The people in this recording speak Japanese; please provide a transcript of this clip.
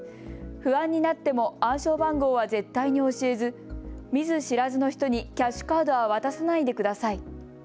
不安になっても暗証番号は絶対に教えず、見ず知らずの人にキャッシュカードは渡さないでください。